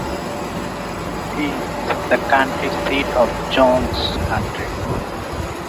It is the county seat of Jones County.